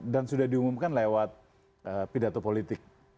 dan sudah diumumkan lewat pidato politik